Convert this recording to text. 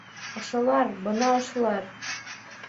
Ошолар, бына ошолар